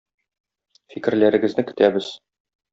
Фикерләрегезне көтәбез.